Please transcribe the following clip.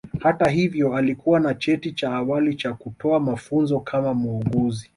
Hata hivyo alikuwa na cheti cha awali cha kutoa mafunzo kama muuguzi